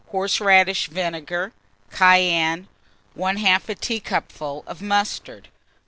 Horseradish vinegar, cayenne, 1/2 a teacupful of mustard.